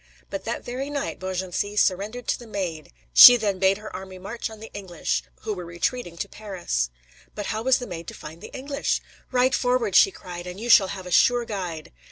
But that very night Beaugency surrendered to the Maid! She then bade her army march on the English, who were retreating to Paris. But how was the Maid to find the English? "Ride forward," she cried, "and you shall have a sure guide."